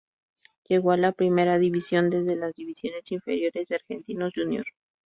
Llego a la Primera División desde las divisiones inferiores de Argentinos Juniors.